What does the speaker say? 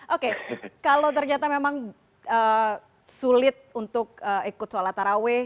oke kalau ternyata memang sulit untuk ikut sholat taraweh